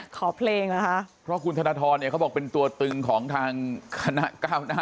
ขอเพลงเหรอคะเพราะคุณธนทรเนี่ยเขาบอกเป็นตัวตึงของทางคณะก้าวหน้า